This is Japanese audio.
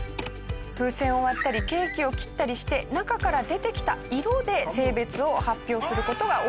風船を割ったりケーキを切ったりして中から出てきた色で性別を発表する事が多いそうです。